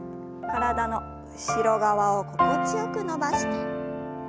体の後ろ側を心地よく伸ばして。